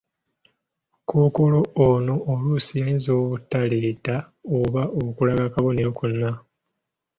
Kookolo ono oluusi ayinza obutaleeta oba okulaga akabonero konna